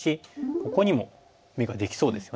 ここにも眼ができそうですよね。